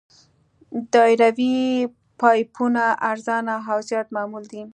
دایروي پایپونه ارزانه او زیات معمول دي